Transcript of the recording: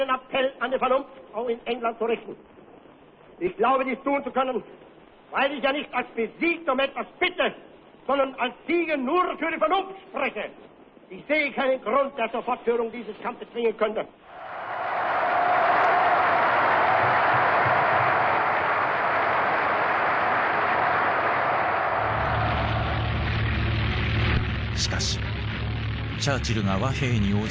しかしチャーチルが和平に応じることはなかった。